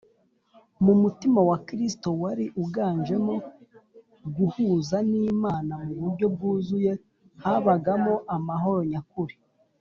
mu mutima wa kristo, wari uganjemo guhuza n’imana mu buryo bwuzuye, habagamo amahoro nyakuri